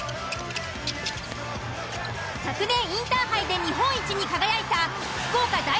昨年インターハイで日本一に輝いた。